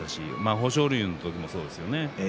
豊昇龍の時もそうでした。